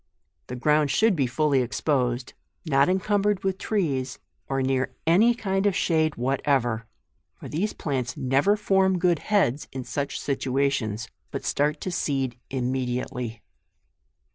The ground should be fully exposed, not incumbered with trees, or near any kind of shade whatever ; for these plants never form good heads in such situa tions, but start to seed immediately.